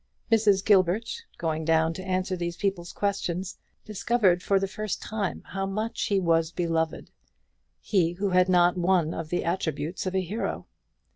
Mrs. Gilbert, going down to answer these people's questions, discovered for the first time how much he was beloved; he who had not one of the attributes of a hero.